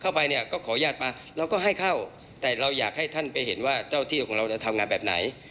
เข้าไปเนี่ยก็ขออนุญาตมาเราก็ให้เข้าแต่เราอยากให้ท่านไปเห็นว่าเจ้าที่ของเราจะทำงานแบบไหน